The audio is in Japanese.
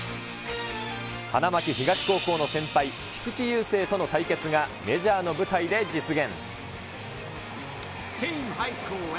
花巻東高校の先輩、菊池雄星との対決がメジャーの舞台で実現。